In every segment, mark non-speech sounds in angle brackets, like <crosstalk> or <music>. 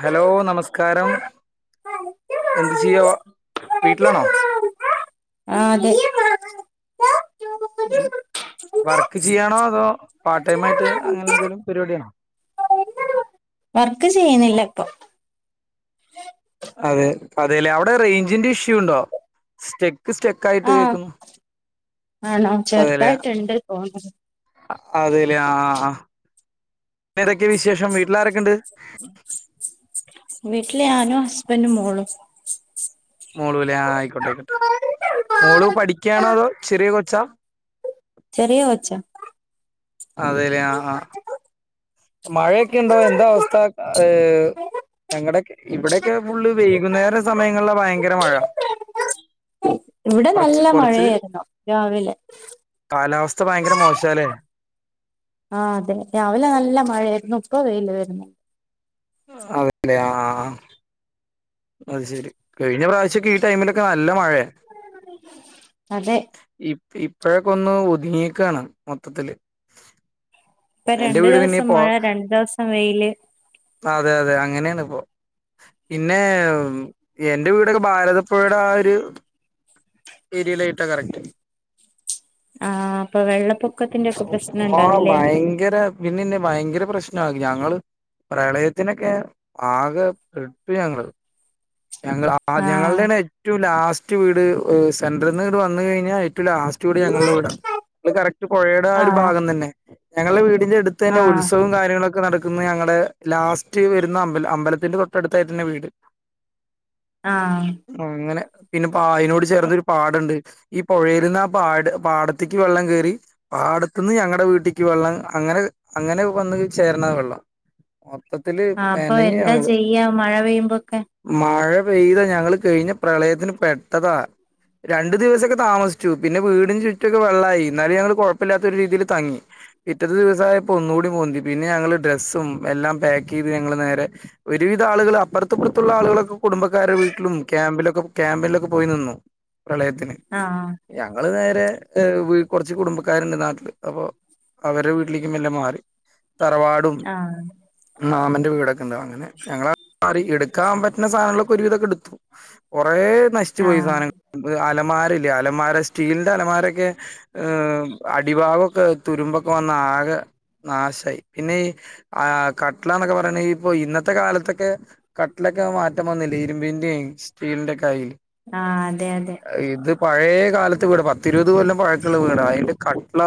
Hello നമസ്കാരം എന്ത് ചെയ്യുവാ വീട്ടിലാണോ ആഹ് അതെ വർക്ക് ചെയ്യാണോ അതോ പാർട്ട് ടൈം ആയിട്ട് അങ്ങനെ എന്തെലും പരിപാടി ആണോ വർക്ക് ചെയ്യുന്നില്ല ഇപ്പൊ അതെ അതെ അല്ലേ അവിടെ റേഞ്ചിന്റെ ഇഷ്യൂ ഉണ്ടോ സ്റ്റെക്ക് സ്റ്റെക്ക് ആയിട്ട് ആ കേൾക്കുന്നു ആണോ ചെറുത് ആയിട്ട് ഇണ്ട് തോന്ന്ണ് അ അതെ ലെ ആഹ് അഹ് ഇപ്പ എന്തൊക്കെ വിശേഷം വീട്ടില് ആരൊക്കെ ഉണ്ട്? വീട്ട്ല് ഞാനും ഹസ്ബന്റും മോളും. മോളൂ അല്ലേ ആഹ് ആയ്ക്കോട്ടെ അയ്ക്കോട്ടെ മോള് പഠിക്ക്യാണോ അതോ ചെറിയ കൊച്ചാ? ചെറിയ കൊച്ചാ അതെ ലേ ആഹ് ആഹ് മഴയൊക്കെ ഉണ്ടോ എന്താ അവസ്ഥ ഏഹ് ഞങ്ങടെ ഒക്കെ ഇവിടെ ഒക്കെ ഫുള്ള് വൈകുന്നേര സമയങ്ങളിലാ ഭയങ്കര മഴ ഇവ്ടെ കൊറച്ച് നല്ല കൊറച്ച് മഴയേയിര്ന്നു രാവിലെ. കാലാവസ്ഥ ഭയങ്കര മോശാ ലെ ആഹ് അതെ രാവിലെ നല്ല മഴ ആയിരുന്നു ഇപ്പ വെയ്ല് വര്ന്നെ അതേ ലെ ആഹ് ആഹ് ആഹ് അത് ശെരി കഴിഞ്ഞ പ്രാവശ്യം ഒക്കെ ഈ ടൈമിലൊക്കെ നല്ല മഴയാ അതെ ഇ ഇപ്പഴൊക്കെ ഒന്ന് ഒതുങ്ങിയേക്കാണ് മൊത്തത്തില് ഇപ്പ എന്റെ രണ്ടു വീട് പിന്നെ ദിവസം ഇപ്പോ മഴ രണ്ടു ദിവസം വെയില് അതെ അതെ അങ്ങനെ ആണ് ഇപ്പോ പിന്നേം എന്റെ വീട് ഒക്കെ ഭാരതപ്പുഴയുടെ ആ ഒരു ഏരിയിലായിട്ടാ കറക്റ്റ് ആഹ് അപ്പൊ വെള്ളപ്പൊക്കത്തിന്റെ ഒക്കെ പ്രശ്നം ആ ഉണ്ടാവൂല്ലേ ഭയങ്കര പിന്നെ എന്നെ ഭയങ്കര പ്രശ്നാ ഞങ്ങള് പ്രളയത്തിനൊക്കെ ആകെ പെട്ടു ഞങ്ങള് ഞങ്ങള് ആ ആഹ് ഞങ്ങളുടെ ആണ് ഏറ്റവും ലാസ്റ്റ് വീട് സെന്ററിൽന്ന് ഇങ്ങട്ട് വന്ന് കഴിഞ്ഞാ ഏറ്റവും ലാസ് റ്റൂടി ഞങ്ങളുടെ വീടാണ് ഇത് കറക്റ്റ് പുഴയുടെ ആ ഒരു ആഹ് ഭാഗം തന്നെ ഞങ്ങളുടെ വീടിന്റെ അടുത്ത് ആഹ് തന്നെ ആഹ് ഉത്സവം കാര്യങ്ങളൊക്കെ നടക്കുന്നെ ഞങ്ങളുടെ ലാസ്റ്റ് വരുന്ന അമ്പലം അമ്പലത്തിന്റെ തൊട്ടടുത്തായിട്ട് തന്നെ വീട് ആഹ് അങ്ങനെ പിന്നെ പായലോട് ചേർ അത് ഒരു പാടം ഉണ്ട് ഈ പുഴയിൽന്ന് ആ പാട് പാടത്തേക്ക് വെള്ളം കേറി പാടത്തു നിന്ന് ഞങ്ങടെ വീട്ടിക്ക് വെള്ളം അങ്ങനെ അങ്ങനെ വന്ന് ചേരുന്നതാ വെള്ളം മൊത്തത്തില് അപ്പൊ പേനഞ്ഞ് എന്താ ഞങ്ങള് ചെയ്യാ മഴ പെയ്യുമ്പോക്കെ മഴ പെയ്ത ഞങ്ങള് കഴിഞ്ഞ പ്രളയത്തിന് പെട്ടതാ രണ്ടു ദിവസം ഒക്കെ താമസിച്ചു പിന്നെ വീടിന് ചുറ്റു ഒക്കെ വെള്ളായി എന്നാലും ഞങ്ങള് കുഴപ്പല്ലാത്ത ഒരു രീതിയിൽ തങ്ങി പിറ്റത്തെ ദിവസം ആയപ്പോ ഒന്നു കൂടി പൊന്തി പിന്നെ ഞങ്ങള് ഡ്രസ്സും എല്ലാം പാക്ക് ചെയ്ത് ഞങ്ങള് നേരെ ഒരു വിധം ആളുകള് അപ്പുറത്തും ഇപ്പുറത്തുള്ള ആളുകളൊന്നും കുടുംബക്കാരുടെ വീട്ടിലും ക്യാമ്പിലൊക്കെ ക്യാമ്പിലൊക്കെ പോയി നിന്നു പ്രളയത്തിന് ആഹ് ഞങ്ങള് നേരെ ഏഹ് കുറച്ച് കുടുംബക്കാരുണ്ട് നാട്ടില് അപ്പൊ അവരെ വീട്ടിലേക്ക് മല്ലെ മാറി തറവാടും ആഹ് മാമന്റെ വീടൊക്കെ ഉണ്ട അങ്ങനെ <unintelligible> എടുക്കാൻ പറ്റുന്ന സാധനങ്ങളൊക്കെ ഒരുവിധതൊക്കെ എടുത്തു കൊറെ നശിച്ചു പോയി ആഹ് സധനങ്ങൾ അലമാരല്ലേ അലമാര സ്റ്റീലിന്റെ അലമാരൊക്കെ ഏഹ് അടിഭാഗമൊക്കെ തുരുമ്പൊക്കെ വന്ന ആകെ നാശമായി പിന്നെ ഈ ആഹ് കട്ല എന്നൊക്കെ പറയണെ ഇപ്പൊ ഇന്നത്തെ കാലത്തൊക്കെ കട്ടിലൊക്കെ മാറ്റം വന്നില്ല ഇരുമ്പിന്റെയും സ്റ്റീലിന്റെക്കായി ആഹ് അതെ അതെ ഇത് പഴയ കാലത്ത് വീട പത്തിരുപത് കൊല്ലം പഴക്കുള്ള വീട അതിന്റെ ക കട്ട്ള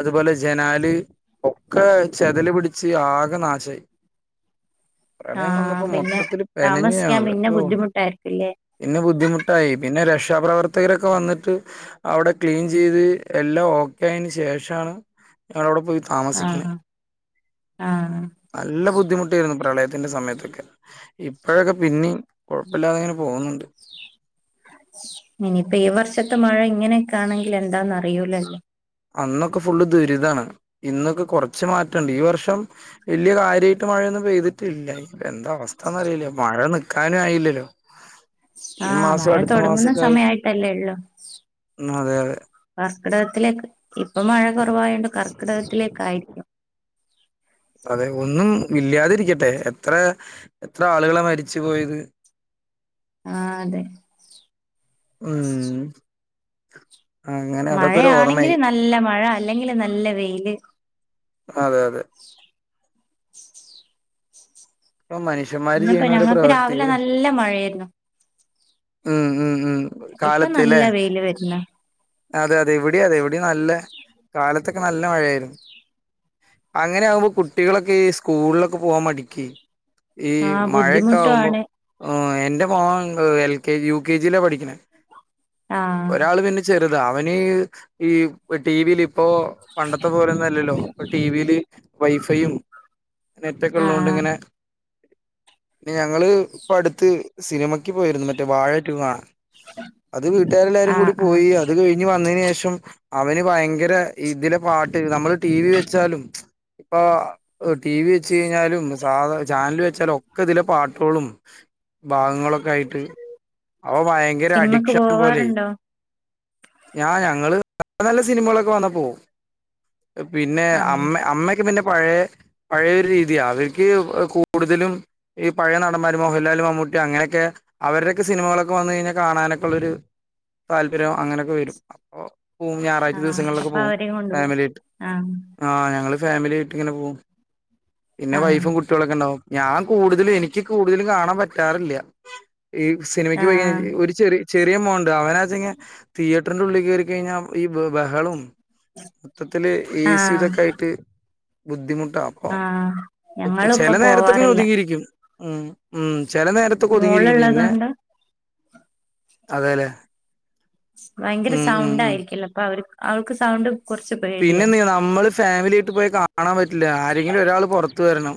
അതുപോലെ ജനാല് ഒക്കെ ചെതല് പിടിച്ച് ആകെ നാശമായി പ്രളയം ആഹ് വന്നപ്പോ പിന്നെ മൊത്തത്തില് പെനഞ്ഞു താമസിക്കാൻ ഞങ്ങള് പിന്നെ ബുദ്ധിമുട്ടായിരിക്കുംല്ലേ പിന്നെ ബുദ്ധിമുട്ട് പിന്നെ രക്ഷ്യാപ്രവർത്തകരൊക്കെ വന്നിട്ട് അവിടെ ക്ലീൻ ചെയ്ത് എല്ലാം ഓക്കെ ആയതിന് ശേഷമാണ് ഞങ്ങളവിടെ പോയി താമസിക്കുന്നത് ആഹ് ആഹ് നല്ല ബുദ്ധിമുട്ടായിരുന്നു പ്രളയത്തിന്റെ സമയത്തൊക്കെ ഇപ്പോഴൊക്കെ പിന്നിം കൊഴപ്പല്ലാതെ ഇങ്ങനെ പോകുന്നുണ്ട് ഇനിയിപ്പ ഈ വർഷത്തെ മഴ ഇങ്ങനെയൊക്കെ ആണെങ്കിൽ എന്താന്ന് അറിയൂലല്ലോ അന്നൊക്കെ ഫുള്ള് ദുരിതമാണ് ഇന്നൊക്കെ കുറച്ച് മാറ്റം ഉണ്ട് ഈ വർഷം വലിയ കാര്യമായിട്ട് മഴയൊന്നും പെയ്തിട്ടില്ലനി എന്ത അവസ്ഥന്നറിയില്ലേ മഴ നിക്കാനും ആയില്ലല്ലോ <inaudible> ആഹ് മാസം മഴ അടുത്ത തുടങ്ങുന്ന മാസൊക്കെ ആയിട്ട് സമയമായിട്ടല്ലേ ഉള്ളു ഉം അതെ അതെ കർക്കിടകത്തിലേക്ക് ഇപ്പ മഴ കുറവായോണ്ട് കർക്കിടകത്തിലേക്കായിയിരിക്കും അതെ ഒന്നും ഇല്ലാതിരിക്കട്ടെ എത്ര എത്ര ആളുകളെ മരിച്ചു പോയത് ആഹ് അതെ ഉം അങ്ങനെ അതൊക്കെ ഒരു ഓർമ്മയായി മഴയാണെങ്കില് നല്ല മഴ അല്ലെങ്കിൽ നല്ല വെയില് അതെ അതെ ഇപ്പൊ മനുഷ്യന്മാര് ഇന്നിപ്പോ ചെയ്യണ ഓരോ ഞങ്ങക്ക് രാവിലെ പ്രവർത്തികള് നല്ല മഴയായിരുന്നു ഉം ഉം ഉം ഇപ്പൊ കാലത്ത് ല്ലേ നല്ല വെയില് വരുന്നു അതെ അതെ ഇവിടെ അതെ ഇവിടെ നല്ല കാലത്തൊക്കെ നല്ല മഴയായിരുന്നു അങ്ങനെ ആകുമ്പോ കുട്ടികളൊക്കെ സ്കൂളിലൊക്കെ പോവാൻ മടിക്കും ഈ ആഹ് മഴയൊക്കെ ബുദ്ധിമുട്ടും ആവുമ്പോ ആണ് ആഹ് എന്റെ മോൻ എൽ കെ യു കെ ജിയില പഠിക്കണ ആഹ് ഒരാള് പി ചെറുതാ അവന് ഈ ടിവിൽ ഇപ്പോ പണ്ടത്തെ പോലന്നല്ലല്ലോ ടിവില് വൈഫൈയും നെറ്റൊക്കെ ഉള്ളുകൊണ്ട് ആഹ് ഇങ്ങനെ പിന്ന ഞങ്ങള് ഇപ്പ അടുത്ത് സിനിമക്ക് പോയിരുന്നു മറ്റേ വാഴ ടു കാണാൻ അത് വീട്ടുകാരെല്ലാരും കൂടി ആഹ് ആഹ് പോയി അത് കഴിഞ്ഞ് വന്നതിന് ശേഷം അവെന് ഭയങ്കര ഇതിലെ പാട്ട് നമ്മെള് ടി വി വെച്ചാലും. ആഹ് ഓ ടി വി വെച്ച് കഴിഞ്ഞാലും. സാധ ചാനല് വെച്ചാലും ഒക്കെ ഇതില പാട്ടുകളും. ഭാഗങ്ങളൊക്കെ ആയിട്ട്. അവ ഭയങ്കര സിനിമക്ക് അഡിക്ഷൻ പോലെആയി പോവാറുണ്ടോ ഞാ ഞങ്ങെള് നല്ല സിനിമകളൊക്കെ വന്നാ പോവും പിന്നെ ആഹ് അമ്മ അമ്മക്ക് പിന്നെ. പഴേ പഴേയൊരു രീതിയാ. അവെരിക്ക് കൂടുതലും. ഈ പഴയ നടന്മാര് മോഹൻലാല്, മമ്മൂട്ടി അങ്ങനെയൊക്കെ അവരുടെയൊക്കെ സിനിമകളൊക്കെ വന്ന് കഴിഞ്ഞാൽ കാണാനൊക്കെയുള്ളൊരു. താല്പര്യം അങ്ങനെയൊക്കെ വെരും അപ്പോ. ഉം ഞായറാഴ്ച ആഹ് ദിവസങ്ങളിലൊക്കെ അപ്പൊ പോവും. അവരെയും കൊണ്ടുപോകും ഫാമിലിയായിട്ട്. ആഹ് ആഹ് ഞങ്ങള് ഫാമിലിയായിട്ടിങ്ങനെ പോവും. പിന്നെ ആഹ് വൈഫും കു കുട്ടികളൊക്കെ ഒണ്ടാവും. ഞാൻ കൂടുതലും, എനിക്ക് കൂടുതലും കാണാൻ പറ്റാറില്ല. ഈ സിനിമയ്ക്ക് പോയി ആഹ് കഴിഞ്ഞാ ഒരു ചെറിയ ചെറിയ മോനൊണ്ട് അവനാ. തിങ്ങ് തിയേറ്ററിന്റെ ഉള്ളിൽ കേറി കഴിഞ്ഞാ. ഈ ബഹളും മൊത്തത്തില് എ സി ആഹ് യിതൊക്കെയായിട്ട് ബുദ്ധിമുട്ടാവും. ആഹ് ഓ ഞങ്ങളും ഇപ്പൊ ചെല നേരത്തൊക്കെ പോവാറില്ല ഒതുങ്ങിയിരിക്കും. ഉം ഉം ചെല നേര ത്തൊക്കെ ഒതുങ്ങിയിരിക്കും മോളുള്ളത് പിന്നെ. കൊണ്ട് അതേല്ലെ. ഭയങ്കര സൗണ്ടായിരിക്കൂല്ലോ. അപ്പൊ അവരിക്ക് അവർക്ക് സൗണ്ട്. കുറച്ച് പേടിയാ പിന്നെന്ന് നമ്മള് ഫാമിലിയായിട്ട് പോയി കാണാൻ പറ്റില്ല. ആരെങ്കിലും ഒരാള് പൊറ ത്തുവരണം.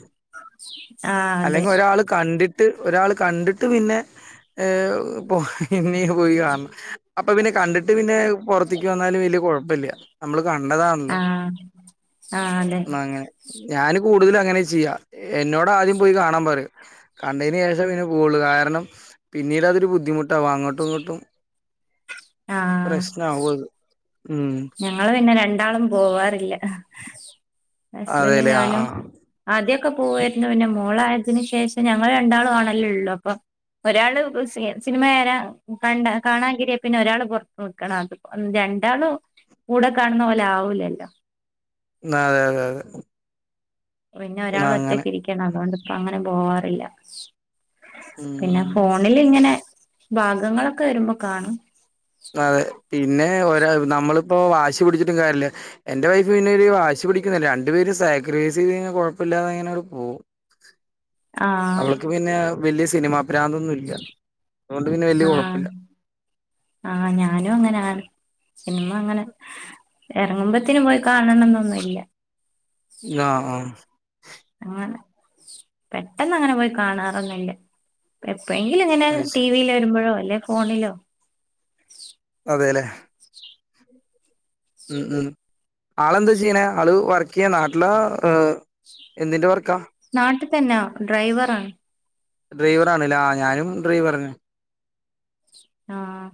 ആഹ് അതെ. അല്ലെങ്കി ഒരാള് കണ്ടിട്ട് ഒരാള് കണ്ടിട്ട് പിന്നെ ഏഹ് പോയ് പിന്നെയും പോയി കാണണം. അപ്പൊ പിന്നെ കണ്ടിട്ട് പിന്നെ പൊറത്തേക്ക് വന്നാലും വെല്യാ കൊഴപ്പില്യാ. നമ്മള് കണ്ടതാണല്ലോ ആഹ് ആഹ് അതെ എന്നാ അങ്ങനെ. ഞാന് കൂടുതല് അങ്ങനെ ചെയ്യാ. എന്നോടാദ്യം പോയി കാണാൻ പറയും. കണ്ടതിന് ശേഷം പിന്നെ പോവുള്ളൂ. കാരണം. പിന്നീട് അതൊരു ബുദ്ധിമുട്ടാവും. അങ്ങോട്ടും ഇങ്ങോട്ടും ആഹ് പ്രശ്നാവും അത്. ഉം ഞങ്ങള് പിന്നെ രണ്ടാളും പോവാറില്ല. ഹസ്ബന്റും അതെല്ലേ ആ ഞാനും. ആ ആദ്യൊക്കെ പോവാരുന്നു. പിന്നെ മോളായതിന് ശേഷം ഞങ്ങള് രണ്ടാളും ആണല്ലേയുള്ളു അപ്പൊ. ഒരാള് സിനിമയരാൻ കണ്ട കാണാൻ കേറിയാൽ പിന്നെ ഒരാള് പൊറത്ത് നിക്കണം അത്. രണ്ടാളും കൂടെ കാണുന്ന പോലെ ആവൂലല്ലോ. ന്നാ അതെ, അതെ, അതെ. പിന്നെ ഒരാള് അങ്ങനെ ഒറ്റക്കിരിക്കണം അതുകൊണ്ടിപ്പൊ അങ്ങനെ പോവാറില്ല. പിന്നെ ഉം ഫോണിലിങ്ങനെ ബാഗങ്ങളൊക്കെ വെരുമ്പോ കാണും. അതെ പിന്നെ ഒരാ നമ്മളിപ്പോ വാശി പിടിച്ചിട്ടും കാര്യല്ല. എന്റെ വൈഫ് പിന്നെ ഒരു വാശി പിടിക്കുന്നില്ല. രണ്ട് പേര് സാക്രിഫൈസ് ചെയ്ത് കഴിഞ്ഞാ കൊഴപ്പമില്ലാതിങ്ങനങ്ങ് പോം. ആഹ് അവൾക്ക് പിന്നെ വെല്യാ സിനിമാ പ്രാന്തൊന്നുമില്ല. അതുകൊണ്ട് പിന്നെ വെല്യാ ആഹ് കൊഴപ്പില്ല. ആഹ് ഞാനും അങ്ങനെയാണ്. സിനിമയങ്ങനെ. എറങ്ങുമ്പത്തേന് പോയി കാണണോന്നൊന്നുമില്ല. ആഹ് ആഹ് അങ്ങനെ പെട്ടെന്ന് അങ്ങനെ പോയി കാണാറൊന്നുമില്ല. എപ്പോഴെങ്കില് ഇങ്ങനെ അത് ടി ശരി വി യില് വരുമ്പോഴോ അല്ലേ ഫോണിലോ. അതേലെ ഉം ഉം ആളെന്താ ചെയ്യണേ. ആള് വർക്ക് ചെയ്യാ. നാട്ടിലോ എന്തിന്റെ വർക്കാ. നാട്ടിൽ തന്നാ ഡ്രൈവറാണ്. ഡ്രൈവറാണല്ലേ. ആഹ് ഞാനും ഡ്രൈവറന്നെ ആഹ്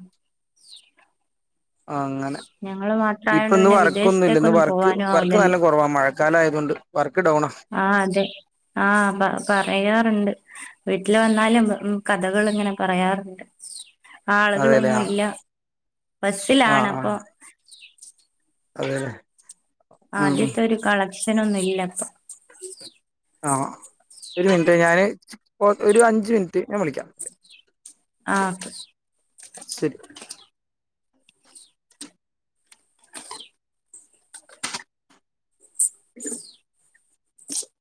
ആഹ് അങ്ങനെ. ഞങ്ങള് ഇപ്പൊ മാത്രായോണ്ട് ഇന്ന് പിന്നെ വർക്കൊന്നുല്ല. ഇന്ന് വിദേശത്തേക്കൊന്നും വർക്ക്, പോവാനും വർക്ക് ആവില്ലല്ലോ നല്ല കൊറവാ മഴ കാലം ആയതോണ്ട് വർക്ക് ഡൗണാ. ആഹ് അതെ ആഹ് പറയാറുണ്ട്. വീട്ട്ല് വന്നാലും കഥകള്ങ്ങനെ പറയാറ്ണ്ട്. അതെല്ലേ ആ ആള്കളൊന്നുല്ല ബസ്സിലാണ് അപ്പൊ അതെ. ആദ്യത്തൊരു കളക്ഷനൊന്നുല്ലപ്പൊ. ആഹ് ഒരു മിൻറ്റെ ഞാന് ഒ ഒരഞ്ച് മിൻറ്റ് ഞാൻ വിളിക്കാ. ആഹ്. ശെരി. <inaudible>